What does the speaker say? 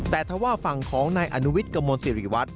แต่ถ้าว่าฝั่งของนายอนุวิทย์กระมวลสิริวัฒน